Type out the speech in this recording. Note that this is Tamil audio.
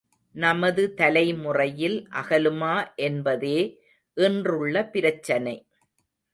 நமது தலைமுறையில் அகலுமா என்பதே இன்றுள்ள பிரச்சனை.